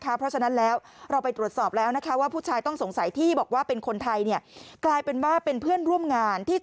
เพราะฉะนั้นแล้วเราไปตรวจสอบแล้วนะคะว่าผู้ชายต้องสงสัยที่บอกว่าเป็นคนไทยเนี่ย